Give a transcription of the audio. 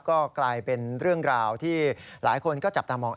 ก็กลายเป็นเรื่องราวที่หลายคนก็จับตามอง